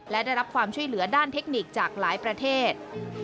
และได้รับความช่วยเหลือด้านเทคนิคจากหลายประเทศ